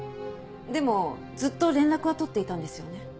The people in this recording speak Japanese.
でもずっと連絡は取っていたんですよね？